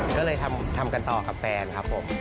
ก็เลยทำกันต่อกับแฟนครับผม